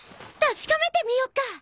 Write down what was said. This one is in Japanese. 確かめてみよっか！